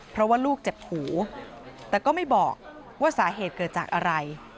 เพราะว่าลูกเจ็บหูแต่ก็ไม่บอกว่าสาเหตุเกิดจากอะไร